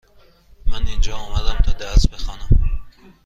من اینجا آمدم تا درس بخوانم.